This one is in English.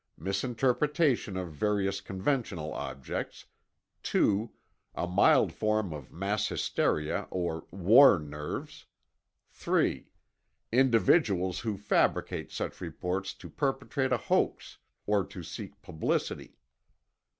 Misinterpretation of various conventional objects. 2. A mild form of mass hysteria or "war nerves." 3. Individuals who fabricate such reports to perpetrate a hoax or to seek publicity.